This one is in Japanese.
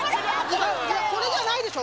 これじゃないでしょ？